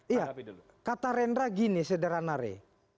iya kata rendra gini sederhana re